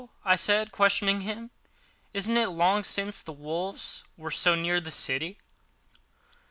I said, questioning him; "isn't it long since the wolves were so near the city?"